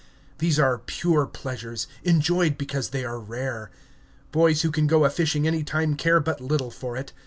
These are pure pleasures, enjoyed because they are rare. Boys who can go a fishing any time care but little for it.